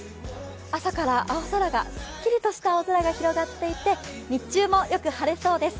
朝からすっきりとした青空が広がっていて日中もよく晴れそうです。